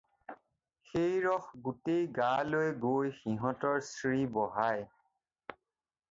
সেই ৰস গোটেই গালৈ গৈ সিহঁতৰ শ্ৰী বঢ়ায়।